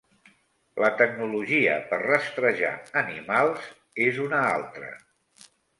La tecnologia per rastrejar animals és una altra.